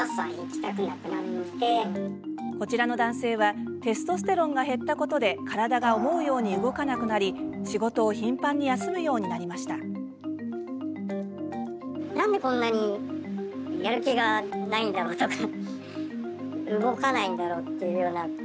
こちらの男性はテストステロンが減ったことで体が思うように動かなくなり仕事を頻繁に休むようになりました。